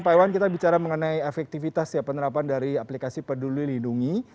pak iwan kita bicara mengenai efektivitas ya penerapan dari aplikasi peduli lindungi